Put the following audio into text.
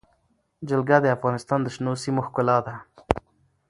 جلګه د افغانستان د شنو سیمو ښکلا ده.